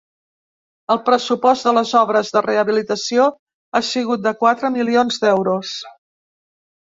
El pressupost de les obres de rehabilitació ha sigut de quatre milions d’euros.